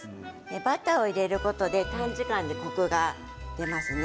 バターを入れることで短時間でコクが出ますね。